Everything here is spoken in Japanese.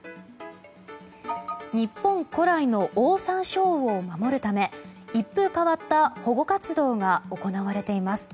日本古来のオオサンショウウオを守るため一風変わった保護活動が行われています。